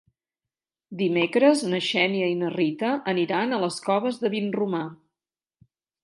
Dimecres na Xènia i na Rita aniran a les Coves de Vinromà.